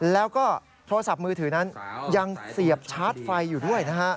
แล้วก็โทรศัพท์มือถือนั้นยังเสียบชาร์จไฟอยู่ด้วยนะฮะ